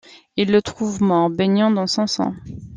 Ils le trouvent mort, baignant dans son sang.